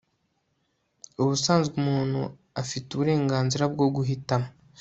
ubusanzwe umuntu afite uburenganzira bwo guhitamo